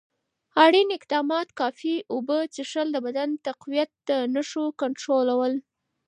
اړین اقدامات: کافي اوبه څښل، د بدن تقویت، د نښو کنټرول.